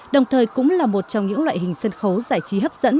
đồng thời cũng là một trong những loại hình sân khấu giải trí hấp dẫn